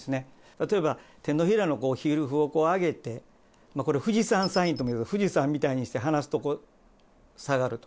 例えば、手のひらの皮膚を上げて、これ、富士山サインともいうけど、富士山みたいにして離すと、こう下がると。